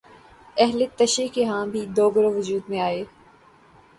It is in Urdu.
اہل تشیع کے ہاں بھی دو گروہ وجود میں آئے